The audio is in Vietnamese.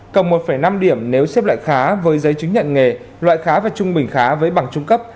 cầm một năm điểm nếu xếp loại khá với giấy chứng nhận nghề loại khá và trung bình khá với bằng trung cấp